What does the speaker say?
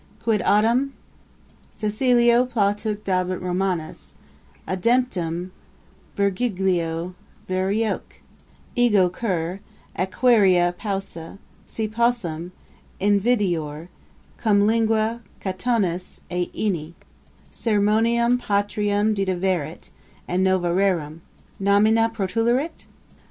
Quid autem Cæcilio Plautoque dabit Romanus, ademptum Virgilio Varioque? Ego cur, acquirere pauca Si possum, invideor; cum lingua Catonis et Enni Sermonem patrium ditaverit, et nova rerum Nomina protulerit?